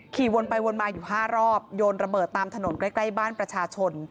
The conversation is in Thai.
วนไปวนมาอยู่๕รอบโยนระเบิดตามถนนใกล้ใกล้บ้านประชาชน